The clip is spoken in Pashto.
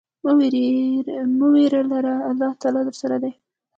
مه ویره لره، الله تل درسره دی.